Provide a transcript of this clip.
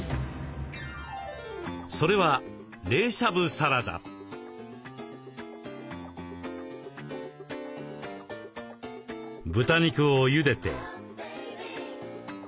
それは豚肉をゆでて。